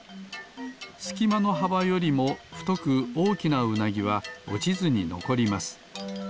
すきまのはばよりもふとくおおきなウナギはおちずにのこります。